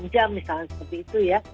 enam jam misalnya seperti itu ya